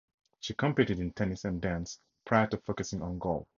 She competed in tennis and dance prior to focusing on golf.